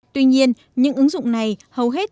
tuy nhiên những ứng dụng này hầu hết